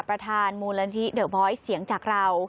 ประธานมูลนิธิเดอะบอยซ์เสียงจากเรา